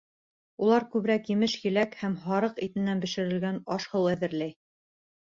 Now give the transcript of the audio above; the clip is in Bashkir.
Улар күберәк емеш-еләк һәм һарыҡ итенән бешерелгән аш-һыу әҙерләй.